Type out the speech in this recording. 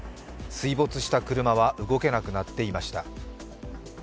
水没した車は動けなくなっていました。